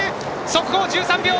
速報１３秒２２！